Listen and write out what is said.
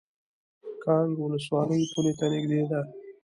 کانګ ولسوالۍ پولې ته نږدې ده؟